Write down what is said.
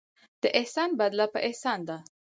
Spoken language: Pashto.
د احسان بدله په احسان ده.